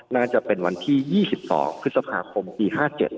น่าจะเป็นวันที่๒๒พฤษภาคมปี๕๗